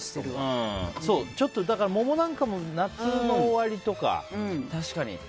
桃なんかも夏の終わりとか。